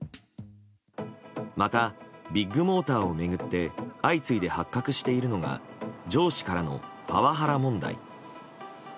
また、ビッグモーターを巡って相次いで発覚しているのが上司からのパワハラ問題。